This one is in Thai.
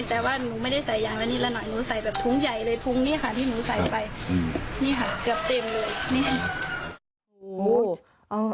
ที่หนูใส่ไปนี่ค่ะเกือบเต็มเลย